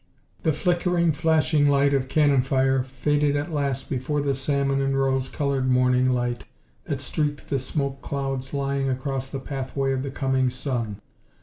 The flickering, flashing light of cannon fire faded at last before the salmon and rose colored morning light that streaked the smoke clouds lying across the pathway of the coming sun.